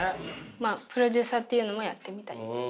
まあプロデューサーというのもやってみたい。